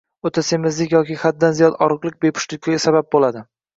O‘ta semizlik yoki haddan ziyod oriqlik bepushtlikka sabab bo‘ladi.